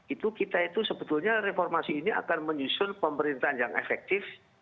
itu kita itu sebetulnya reformasi ini akan menyusun pemerintahan yang efektif